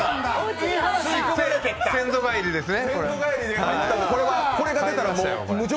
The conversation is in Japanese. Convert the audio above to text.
先祖返りですね。